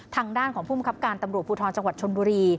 ทางด้านของภูมิครับการตำรวจภูทรจังหวัดชนบุรี